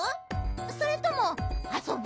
それともあそぶ？